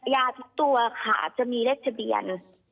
ยาทุกตัวค่ะจะมีเลขทะเบียน